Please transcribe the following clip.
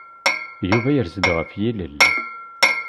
Yuba yers-d ɣef yilel.